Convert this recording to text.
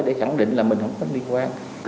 để khẳng định là mình không có liên quan